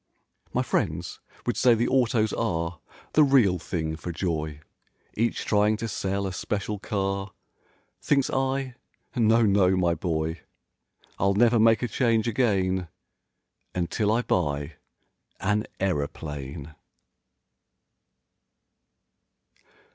My friends would say the autos are The real thing for joy; Each trying to sell a special car; Thinks I, "No, no, my boy!" I'll never make a change again Until I buy an aeroplane.